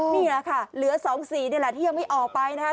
นี่แหละค่ะเหลือ๒๔นี่แหละที่ยังไม่ออกไปนะครับ